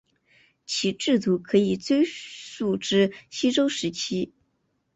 其制度可以追溯至西周时期。